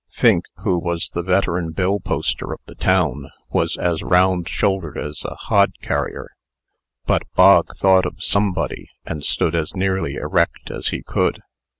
Fink, who was the veteran bill poster of the town, was as round shouldered as a hod carrier. But Bog thought of somebody, and stood as nearly erect as he could.